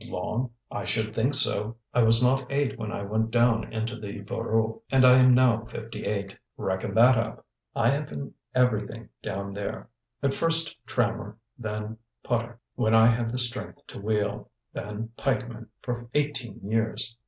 "Long? I should think so. I was not eight when I went down into the Voreux and I am now fifty eight. Reckon that up! I have been everything down there; at first trammer, then putter, when I had the strength to wheel, then pikeman for eighteen years.